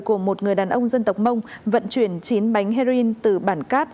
của một người đàn ông dân tộc mông vận chuyển chín bánh heroin từ bản cát